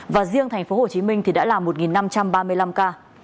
và riêng thành phố hồ chí minh thì đã là một năm trăm ba mươi năm ca